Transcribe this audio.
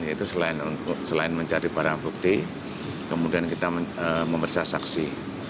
yaitu selain mencari barang bukti kemudian kita memeriksa saksi